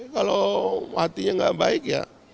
kalau hatinya gak baik ya